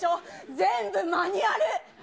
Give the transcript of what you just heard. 全部マニュアル。